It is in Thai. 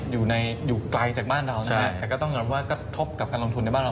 อยู่ใกล้จากบ้านเรานะครับใช่แต่ก็ต้องยอมว่าก็ทบกับการลงทุนในบ้านเรา